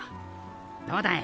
どうだい？